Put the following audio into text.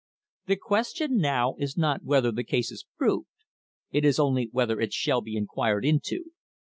"The question now is not whether the case is proved; it is only whether it shall be inquired into.